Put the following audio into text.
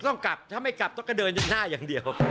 ต้องกลับถ้าไม่กลับต้องกระเดินจน๕อย่างเดียว